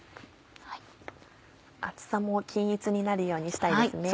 厚さも均一になるようにしたいですね。